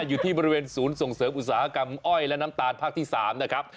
อยู่ที่บริเวณศูนย์ส่งเสริมอุตสาหกรรมอ้อยและน้ำตาลภาคที่๓นะครับ